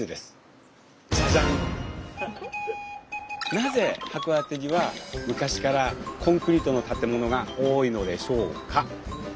なぜ函館には昔からコンクリートの建物が多いのでしょうか？